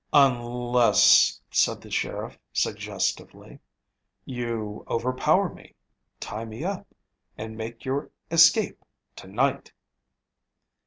"Unless," said the sheriff suggestively, "you overpower me, tie me up, and make your escape to night."